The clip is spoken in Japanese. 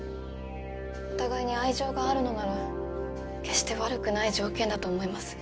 お互いに愛情があるのなら決して悪くない条件だと思います。